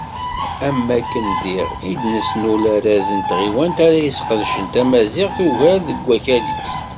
Am wakken diɣ, i d-neslul arraz n tɣiwant ara yesqedcen tamaziɣt ugar deg wakal-is.